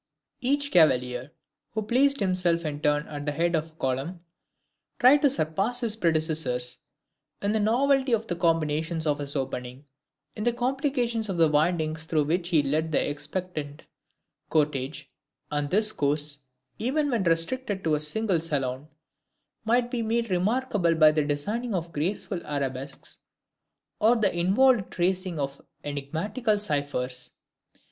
Each cavalier who placed himself in turn at the head of the column, tried to surpass his predecessors in the novelty of the combinations of his opening, in the complications of the windings through which he led the expectant cortege; and this course, even when restricted to a single saloon, might be made remarkable by the designing of graceful arabesques, or the involved tracing of enigmatical ciphers.